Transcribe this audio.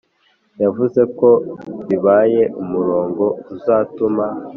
yavuzeko ko bibaye umurongo uzatuma